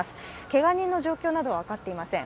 けが人の状況などは分かっていません。